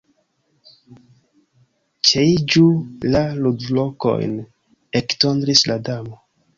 "Ĉeiĝu la ludlokojn," ektondris la Damo.